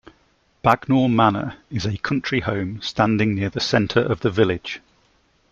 Bagnor Manor is a country home standing near the centre of the village.